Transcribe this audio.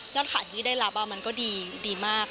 ยอดขายอย่างงี้ได้ราบ่ามันก็ดีมาก